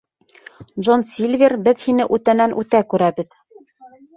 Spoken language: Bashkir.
Джон Сильвер, беҙ һине үтәнән-үтә күрәбеҙ.